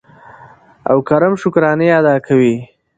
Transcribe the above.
او کرم شکرانې ادا کوي.